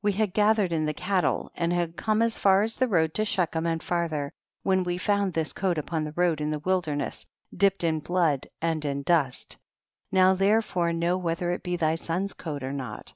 14. We had gathered in the cattle and had come as far as the road to tShechem and farther, when we found this coat upon the road in the wil dcrness dipped in blood and in dust ; now therefore know whether it be thy son's coat or not.